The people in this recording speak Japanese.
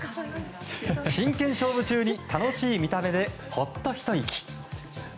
真剣勝負中に楽しい見た目でほっとひと息。